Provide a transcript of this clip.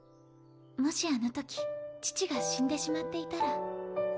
もしあのとき父が死んでしまっていたら。